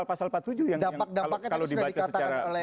dapat dapatnya tadi sudah dikatakan oleh